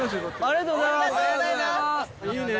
ありがとうございます。